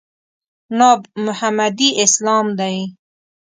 ناب محمدي اسلام دی.